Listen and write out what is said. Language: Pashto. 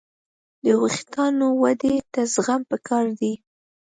د وېښتیانو ودې ته زغم پکار دی.